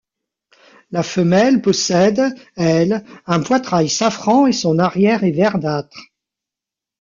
La femelle possède elle un poitrail safran et son arrière est verdâtre.